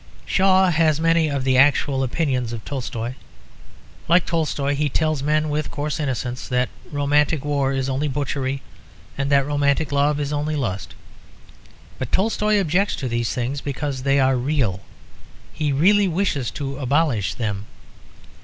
Shaw has many of the actual opinions of Tolstoy. Like Tolstoy he tells men, with coarse innocence, that romantic war is only butchery and that romantic love is only lust. But Tolstoy objects to these things because they are real; he really wishes to abolish them.